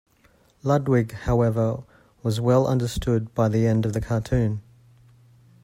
Ludwig however was well understood by the end of the cartoon.